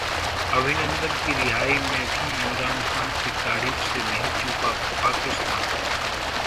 अभिनंदन की रिहाई में भी इमरान खान की तारीफ से नहीं चूका पाकिस्तान